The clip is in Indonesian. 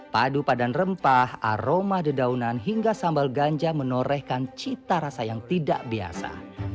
padu padan rempah aroma dedaunan hingga sambal ganja menorehkan cita rasa yang tidak biasa